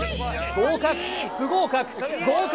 合格不合格合格